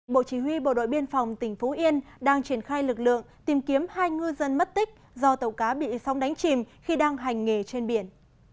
bộ chỉ huy bộ đội biên phòng tỉnh phú yên đang triển khai lực lượng tìm kiếm hai ngư dân mất tích do tàu cá bị sóng đánh chìm khi đang hành nghề trên biển